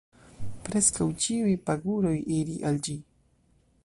Preskaŭ ĉiuj paguroj iri al ĝi.